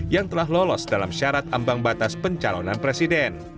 yang telah lolos dalam syarat ambang batas pencalonan presiden